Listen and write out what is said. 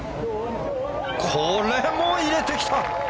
これも入れてきた！